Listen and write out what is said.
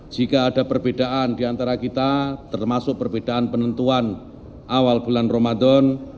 jika ada perbedaan di antara kita termasuk perbedaan penentuan awal bulan ramadan